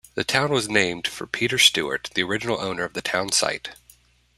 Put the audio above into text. The town was named for Peter Stuart, the original owner of the town site.